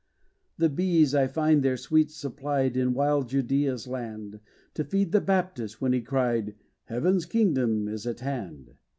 The bees I find their sweets supplied In wild Judea's land, To feed the Baptist, when he cried, "Heaven's kingdom is at hand."